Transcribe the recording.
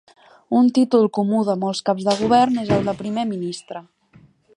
Un títol comú de molts caps de govern és el de primer ministre.